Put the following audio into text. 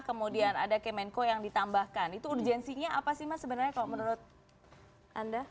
kemudian ada kemenko yang ditambahkan itu urgensinya apa sih mas sebenarnya kalau menurut anda